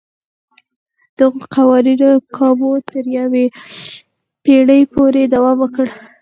دغو قوانینو کابو تر یوې پېړۍ پورې دوام وکړ.